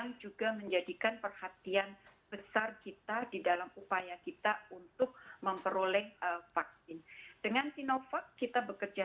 harga tentunya ada yang menghitung sendiri mengenai harga